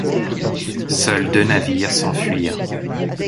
Seuls deux navires s'enfuirent.